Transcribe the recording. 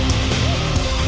tiga dua satu